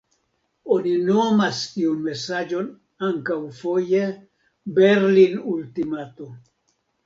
Oni nomas tiun mesaĝon ankaŭ foje Berlin-ultimato.